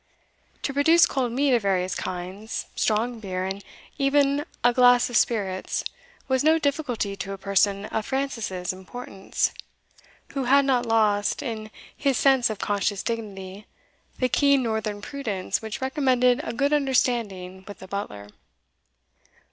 To produce cold meat of various kinds, strong beer, and even a glass of spirits, was no difficulty to a person of Francis's importance, who had not lost, in his sense of conscious dignity, the keen northern prudence which recommended a good understanding with the butler.